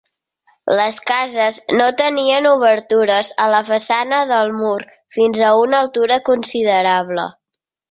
Les cases no tenien obertures a la façana del mur fins a una altura considerable.